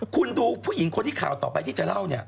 คุณดูผู้หญิงคนที่ข่าวต่อไปที่จะเล่าเนี่ย